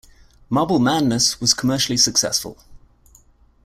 "Marble Madness" was commercially successful.